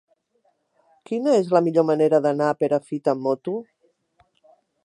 Quina és la millor manera d'anar a Perafita amb moto?